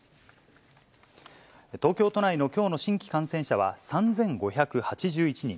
東京都内のきょうの新規感染者は３５８１人。